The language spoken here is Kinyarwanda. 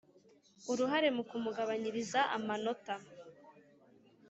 Uruhare mu kumugabanyiriza amanota